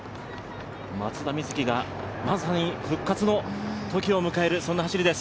松田瑞生がまさに復活の時を迎える走りです。